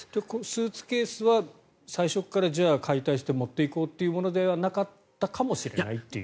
スーツケースは最初から解体して持っていこうというものではなかったかもしれないという。